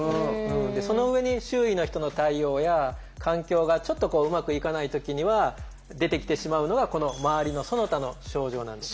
その上に周囲の人の対応や環境がちょっとうまくいかない時には出てきてしまうのがこの周りのその他の症状なんです。